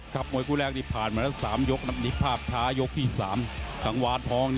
แข่งแรงมากเกินครับวันนี้ไอ้เจ้ากังวันทอง